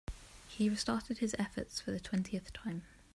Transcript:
He restarted his efforts for the twentieth time.